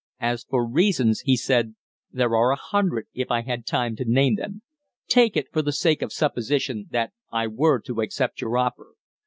"As for reasons " he said. "There are a hundred, if I had time to name them. Take it, for the sake of supposition, that I were to accept your offer.